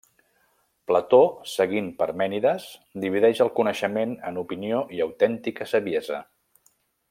Plató, seguint Parmènides, divideix el coneixement en opinió i autèntica saviesa.